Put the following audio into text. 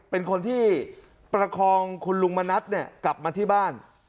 เป็นคนที่ประคองคุณลุงมณัฐกลับมาที่บ้าน